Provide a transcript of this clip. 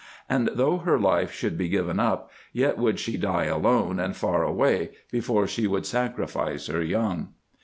And though her life should be given up, yet would she die alone, and far away, before she would sacrifice her young.